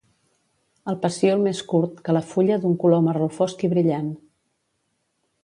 El pecíol més curt que la fulla d'un color marró fosc i brillant.